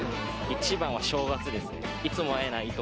１番は正月ですね。